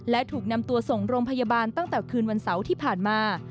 และถูกนำตัวส่งโรงพยาบาลตั้งแต่คืนวันเสาร์ที่ผ่านมา